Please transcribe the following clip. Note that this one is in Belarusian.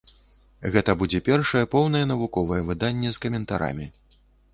Гэта будзе першае поўнае навуковае выданне з каментарамі.